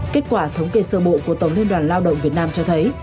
kết quả thống kê sơ bộ của tổng liên đoàn lao động việt nam cho thấy